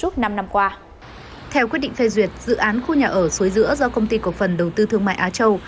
theo quyết định phê duyệt dự án khu nhà ở suối giữa do công ty cộng phần đầu tư thương mại á châu